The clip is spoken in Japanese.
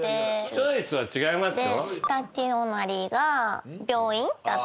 チョイスは違いますよ。